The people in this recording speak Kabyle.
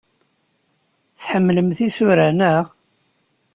Tḥemmlemt isura, naɣ?